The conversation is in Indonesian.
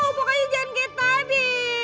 pokoknya jangan kayak tadi